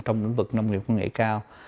trong lĩnh vực nông nghiệp nông nghiệp cao